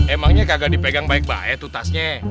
emangnya kagak dipegang baik baik itu tasnya